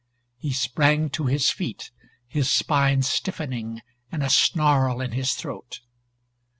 He sprang to his feet, his spine stiffening and a snarl in his throat.